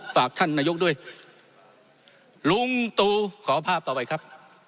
ฝากท่านนายกด้วยลุงตูขอภาพต่อไปครับ